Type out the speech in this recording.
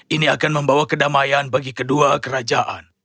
ini akan membawa kedamaian bagi kedua kerajaan